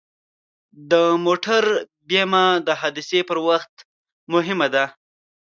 د موټر بیمه د حادثې پر وخت مهمه ده.